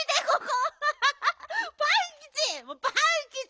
パンキチ！